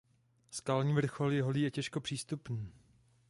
Skalní vrchol je holý a těžko přístupný.